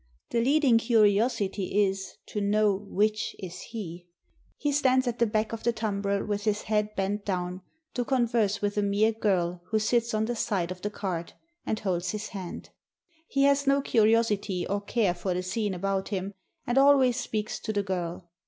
The leading curiosity is, to know which is he ; he stands at the back of the tumbrel with his head bent down, to converse with a mere girl who sits on the side of the cart, and holds his hand. He has no curiosity or care for the scene about him, and always speaks to the girl.